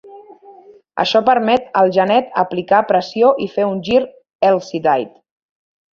Això permet al genet aplicar pressió i fer un gir "heelside".